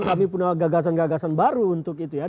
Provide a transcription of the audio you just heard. kami punya gagasan gagasan baru untuk itu ya